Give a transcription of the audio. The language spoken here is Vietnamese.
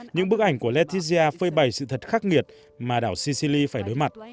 những bức ảnh của letizia phơi bày sự thật khắc nghiệt mà đảo sicili phải đối mặt